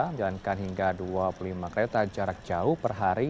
menjalankan hingga dua puluh lima kereta jarak jauh per hari